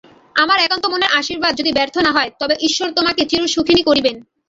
আমার একান্ত মনের আশীর্বাদ যদি ব্যর্থ না হয়, তবে ঈশ্বর তোমাকে চিরসুখিনী করিবেন।